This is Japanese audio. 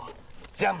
じゃん！